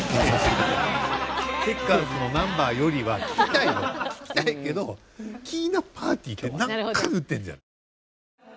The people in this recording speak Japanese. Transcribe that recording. チェッカーズのナンバーよりは聴きたいよ聴きたいけどＫｉｉｎａパーティーって何回も言ってんじゃん。